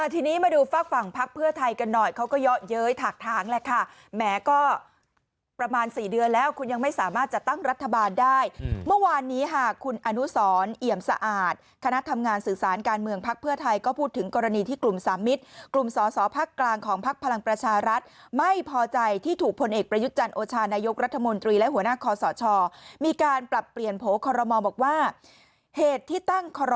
แต่ก็ประมาณสี่เดือนแล้วคุณยังไม่สามารถจะตั้งรัฐบาลได้เมื่อวานนี้หากคุณอนุสอนเหยียมสะอาดคณะทำงานสื่อสารการเมืองภักดิ์เพื่อไทยก็พูดถึงกรณีที่กลุ่มสามมิตรกลุ่มสอสอภักดิ์กลางของภักดิ์พลังประชารัฐไม่พอใจที่ถูกผลเอกประยุจจันทร์โอชานายกรัฐมนตรีและหัวหน้าคอสชมีการ